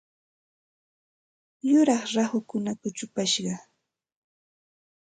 Yuraq rahukuna kuchupashqa.